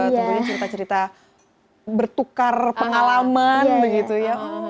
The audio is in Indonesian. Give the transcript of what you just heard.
tentunya cerita cerita bertukar pengalaman begitu ya